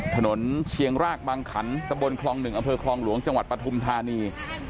เชียงรากบางขันตะบนคลอง๑อำเภอคลองหลวงจังหวัดปฐุมธานี